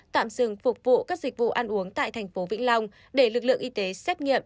tạm dừng phục vụ các dịch vụ ăn uống tại thành phố vĩnh long để lực lượng y tế xét nghiệm